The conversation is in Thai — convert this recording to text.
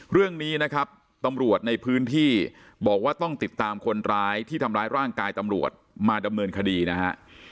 เรื่องนี้นะครับตำรวจในพื้นที่บอกว่าต้องติดตามคนร้ายที่ทำร้ายร่างกายตำรวจมาดำเนินคดีนะฮะ